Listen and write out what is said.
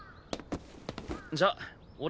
じゃあ俺